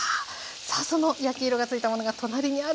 さあその焼き色がついたものが隣にあるんですが。